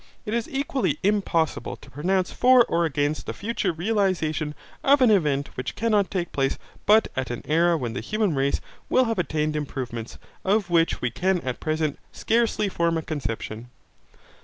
It is equally impossible to pronounce for or against the future realization of an event which cannot take place but at an era when the human race will have attained improvements, of which we can at present scarcely form a conception.